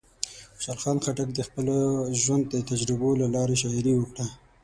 خوشحال خان خټک د خپل ژوند د تجربو له لارې شاعري وکړه.